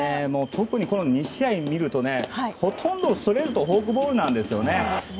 特にこの２試合を見るとほとんどストレートとフォークボールなんですよね。